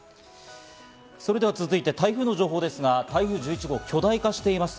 それでは続いて台風の情報ですが、台風１１号、巨大化しています。